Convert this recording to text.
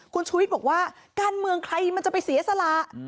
คุณชูวิทย์บอกว่าการเมืองใครมันจะไปเสียสละ